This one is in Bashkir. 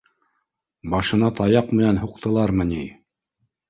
Башына таяҡ менән һуҡ тылармы ни